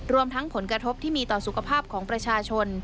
รวมทั้งผลกระทบที่มีต่อสุขภาพของประชาชน